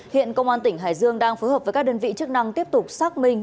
hiện công an tỉnh hải dương đang phối hợp với các đơn vị chức năng tiếp tục xác minh